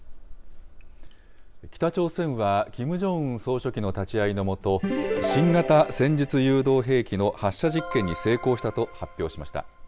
北朝鮮は、キム・ジョンウン総書記の立ち会いのもと、新型戦術誘導兵器の発射実験に成功したと発表しました。